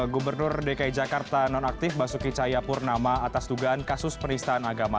gubernur dki jakarta non aktif basuki cahayapurnama atas dugaan kasus penistaan agama